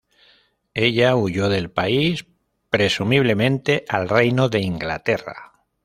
Ella huyó del país, presumiblemente al Reino de Inglaterra.